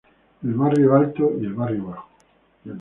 El barrio alto y el barrio bajo.